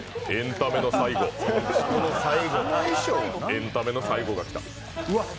エンタメの最後が来た。